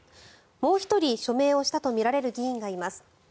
もう１人署名をしたとみられる議員がいます。